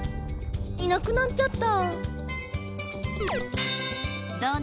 いなくなっちゃった。